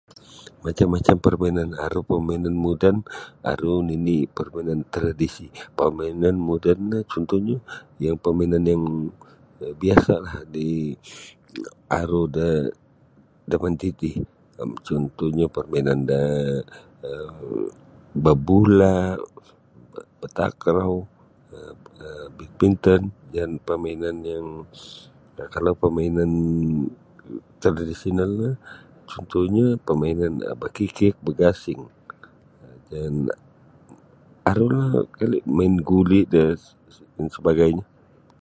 Macam-macam permainan aru permainan moden aru nini' permainan tradisi. Pemainan moden no cuntuhnyo yang pemainan yang biasalah di aru damati ti cuntuhnyo permainan da um babula' um batakrau um bidminton jaan pemainan yang kalau pemainan tradisional no cuntuhnyo pemainan bakikik bagasing dan arulah kali' main guli da dan sebagainyo.